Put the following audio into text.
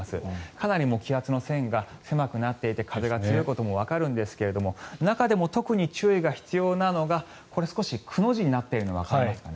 かなり気圧の線が狭くなっていて風が強いこともわかるんですが中でも特に注意が必要なのがこれ、少しくの字になっているのがわかりますかね。